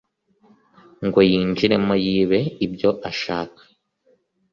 ngo yinjiremo yibe ibyo ashaka